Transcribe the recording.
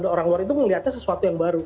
orang luar itu melihatnya sesuatu yang baru